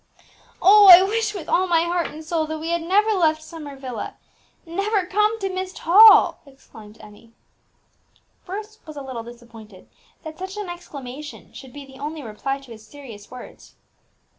"Oh! I wish with all my heart and soul that we had never left Summer Villa, never come to Myst Hall!" exclaimed Emmie. Bruce was a little disappointed that such an exclamation should be the only reply to his serious words.